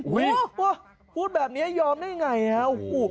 โอ้โฮพูดแบบนี้ยอมได้อย่างไร